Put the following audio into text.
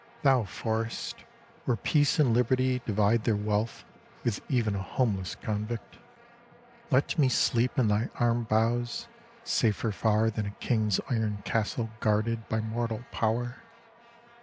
Thou Forest, where Peace and Liberty divide their wealth , with even a homeless convict. The Night Reverie in the Forest 17 Let me sleep in thy arm boughs, safer far than a king's iron castle guarded by mortal power